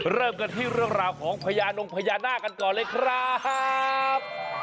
เริ่มกันที่เรื่องราวของพญานงพญานาคกันก่อนเลยครับ